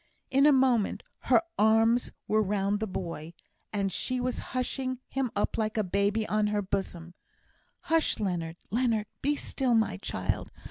In a moment her arms were round the poor boy, and she was hushing him up like a baby on her bosom. "Hush, Leonard! Leonard, be still, my child!